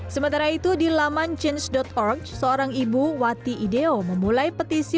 sementara itu di laman change org seorang ibu wati ideo memulai petisi